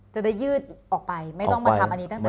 จะได้ยืดออกไปไม่ต้องมาทำอันนี้ตั้งแต่